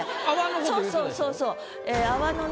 そうそうそうそう。